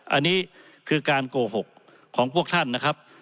อันนี้คือการโกหกของพวกท่านนะครับ